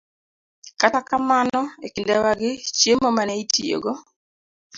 Kata kamano, e kindewagi, chiemo ma ne itiyogo